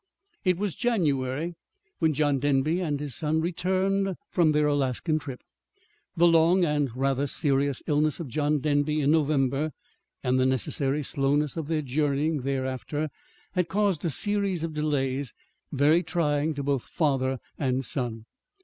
It was January when John Denby and his son returned from their Alaskan trip. The long and rather serious illness of John Denby in November, and the necessary slowness of their journeying thereafter, had caused a series of delays very trying to both father and son.